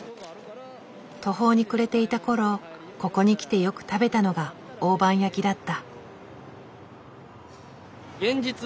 途方に暮れていた頃ここに来てよく食べたのが大判焼きだった。